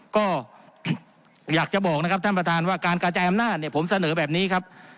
ก็อยากจะบอกนะครับท่านประธานว่าการกระจายอำนาจเนี่ยผมเสนอแบบนี้ครับ